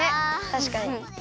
たしかに。